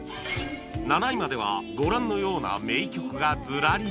７位まではご覧のような名曲がずらり